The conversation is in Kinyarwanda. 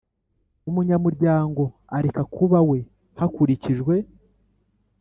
Umunyamuryango areka kuba we hakurikijwe